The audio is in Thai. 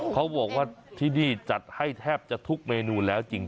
เขาบอกว่าที่นี่จัดให้แทบจะทุกเมนูแล้วจริง